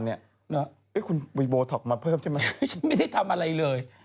แล้วคุณโบทกมาเพิ่มใช่ไหมไม่ได้ทำอะไรเลย